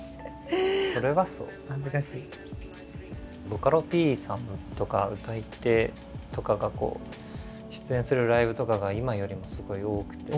ボカロＰさんとか歌い手とかが出演するライブとかが今よりもすごい多くて。